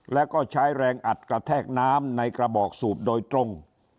แล้วก็ใช้แรงอัดกระแทกน้ำในกระบอกสูบโดยตรง